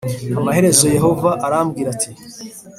amaherezo yehova arambwira ati